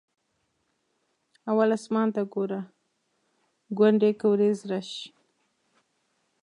اول اسمان ته ګورو ګوندې که ورېځ راشي.